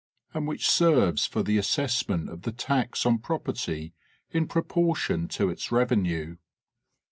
and which serves for the assessment of the tax on property in proportion to its revenue."